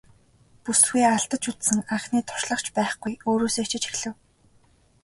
Бүсгүй алдаж үзсэн анхны туршлага ч байхгүй өөрөөсөө ичиж эхлэв.